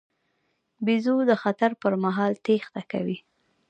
بیزو د خطر پر مهال تېښته کوي.